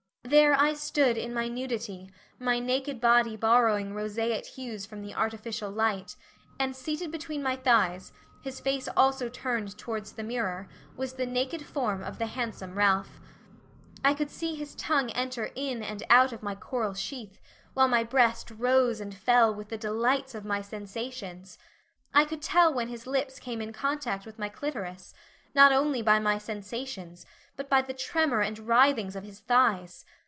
There I stood in my nudity, my naked body borrowing roseate hues from the artificial light, and seated between my thighs, his face also turned towards the mirror was the naked form of the handsome Ralph. I could see his tongue enter in and out of my coral sheath, while my breast rose and fell with the delights of my sensations. I could tell when his lips came in contact with my clitoris, not only by my sensations but by the tremor and writhings of his thighs.